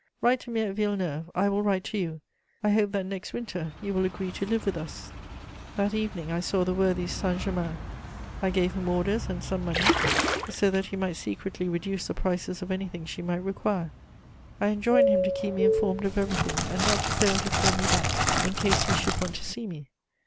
Write to me at Villeneuve. I will write to you. I hope that next winter you will agree to live with us." [Sidenote: Death of Lucile.] That evening I saw the worthy Saint Germain; I gave him orders and some money, so that he might secretly reduce the prices of anything she might require. I enjoined him to keep me informed of everything and not to fail to call me back in case he should want to see me.